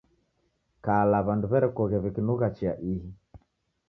Kala w'andu w'erekoghe w'ikinugha chia ihi